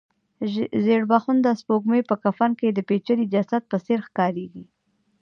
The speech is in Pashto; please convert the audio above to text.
زېړبخونده سپوږمۍ په کفن کې د پېچلي جسد په څېر ښکاریږي.